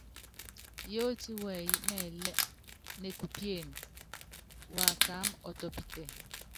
Yótí wɛyí mɛlɛ́ nekupíene, wakaáma ɔ́tɔ́pítɛ.